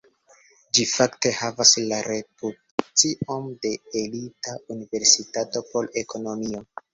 Ĝi fakte havas la reputacion de elita universitato por ekonomio.